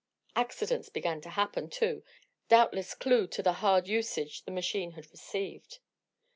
Accidents began to happen, too, doubtless clue to the hard usage the machine had received.